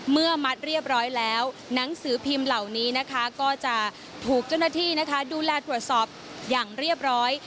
มัดเรียบร้อยแล้วหนังสือพิมพ์เหล่านี้นะคะก็จะถูกเจ้าหน้าที่นะคะดูแลตรวจสอบอย่างเรียบร้อย